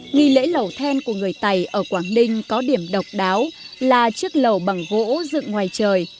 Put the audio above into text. nghi lễ lẩu then của người tày ở quảng ninh có điểm độc đáo là chiếc lẩu bằng gỗ dựng ngoài trời